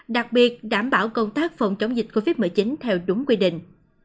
đặc biệt đảm bảo công tác phòng chống dịch covid một mươi chín theo đúng quy định